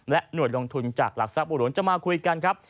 หน่วยลงทุนจากหลักทรัพย์บุหลวงจะมาคุยกันครับ